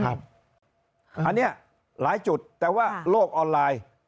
อันนี้หลายจุดแต่ว่าโลกออนไลน์